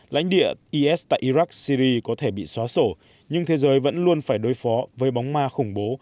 lãnh địa is tại iraq syri có thể bị xóa sổ nhưng thế giới vẫn luôn phải đối phó với bóng ma khủng bố